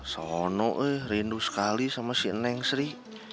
sono eh rindu sekali sama si neng sri